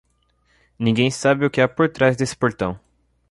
Ninguém sabe o que há por trás desse portão.